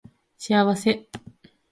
幸せ